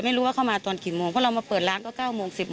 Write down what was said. คุยกับเขารู้เรื่องนะคะ